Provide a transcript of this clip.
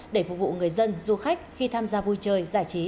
để phục vụ người dân du khách khi tham gia vui chơi giải trí